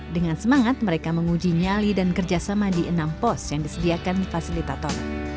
dengan semangat mereka menguji nyali dan kerjasama di enam pos yang disediakan fasilitator